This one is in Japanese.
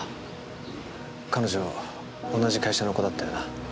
彼女同じ会社の子だったよな？